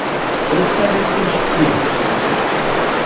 Ur ttarra kullec d tidet.